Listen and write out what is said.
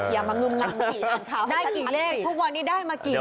อย่ามางุมนั่งได้กี่เลขทุกวันนี้ได้มากี่เลข